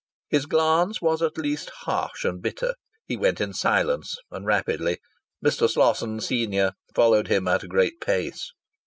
His glance was at least harsh and bitter. He went in silence, and rapidly. Mr. Slosson, senior, followed him at a great pace.